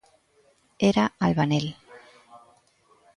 Era albanel.